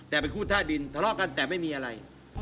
แต่เป็นคู่ท่าดินทะเลาะกันแต่ไม่มีอะไร